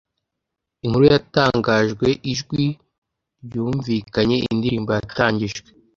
Inkuru yatangajwe, ijwi ryumvikanye, indirimbo yatangijwe,